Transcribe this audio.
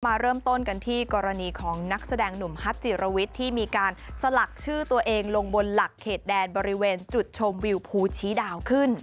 มาเริ่มต้นกันที่กรณีของนักแสดงหนุ่มฮัตจิรวิทย์ที่มีการสลักชื่อตัวเองลงบนหลักเขตแดนบริเวณจุดชมวิวภูชี้ดาวขึ้น